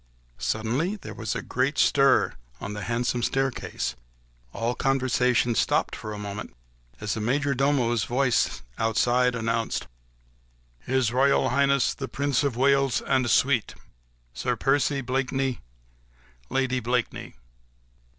Suddenly there was a great stir on the handsome staircase, all conversation stopped for a moment as the major domo's voice outside announced,— "His Royal Highness the Prince of Wales and suite, Sir Percy Blakeney, Lady Blakeney."